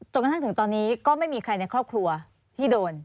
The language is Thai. กระทั่งถึงตอนนี้ก็ไม่มีใครในครอบครัวที่โดน